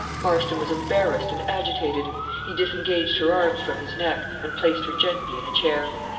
Marston was embarrassed and agitated. He disengaged her arms from his neck, and placed her gently in a chair.